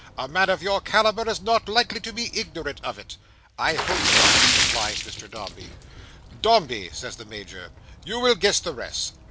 A man of your calibre is not likely to be ignorant of it." "I hope not," replies Mr Dombey. "Dombey!" says the Major, "you will guess the rest.